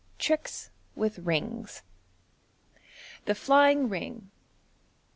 Tricks with Rings. Thb Flying Ring.